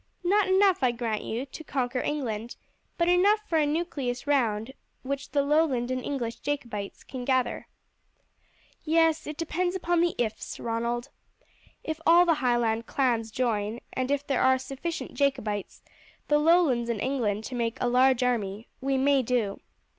Not enough, I grant you, to conquer England, but enough for a nucleus round which the Lowland and English Jacobites can gather." "Yes, it depends upon the ifs, Ronald. If all the Highland clans join, and if there are sufficient Jacobites in the Lowlands and England to make a large army, we may do.